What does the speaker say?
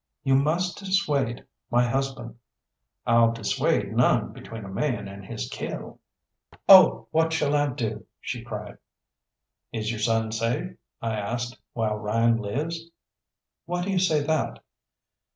"You must dissuade my husband." "I'll dissuade none between a man and his kill." "Oh, what shall I do!" she cried. "Is your son safe," I asked, "while Ryan lives?" "Why do you say that?"